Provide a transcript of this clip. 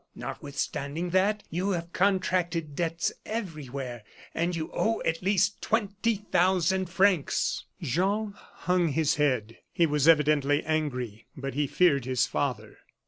Notwithstanding that, you have contracted debts everywhere, and you owe at least twenty thousand francs." Jean hung his head; he was evidently angry, but he feared his father.